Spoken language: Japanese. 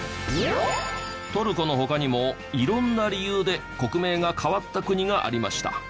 トルコの他にも色んな理由で国名が変わった国がありました。